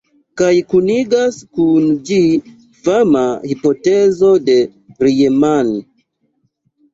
Kaj kunigas kun ĝi fama hipotezo de Riemann.